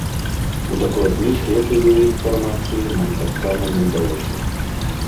Удакладніць гэтую інфармацыю нам таксама не ўдалося.